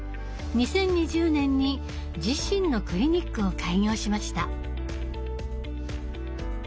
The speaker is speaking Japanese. ２０２０年に自身のクリニックを開業しました。